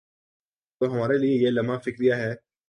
تو ہمارے لئے یہ لمحہ فکریہ ہے۔